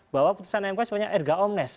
bahwa putusan mk sepertinya erga omnes